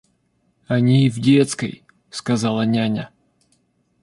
— Они и в детской, — сказала няня.